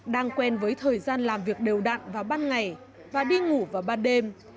đang quen với thời gian làm việc đều đặn vào ban ngày và đi ngủ vào ban đêm